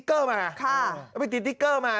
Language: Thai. เอาไปติดติ๊กเกอร์มา